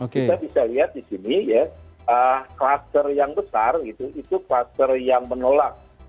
kita bisa lihat di sini ya kluster yang besar itu kluster yang menolak